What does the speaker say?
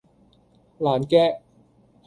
爛 gag